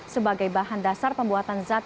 sebagai bahan dasar pembuatan zat